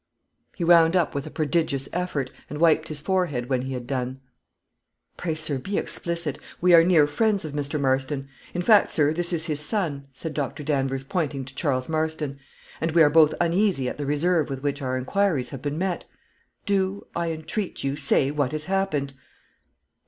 He wound up with a prodigious effort, and wiped his forehead when he had done. "Pray, sir, be explicit: we are near friends of Mr. Marston; in fact, sir, this is his son," said Doctor Danvers, pointing to Charles Marston; "and we are both uneasy at the reserve with which our inquiries have been met. Do, I entreat of you, say what has happened?"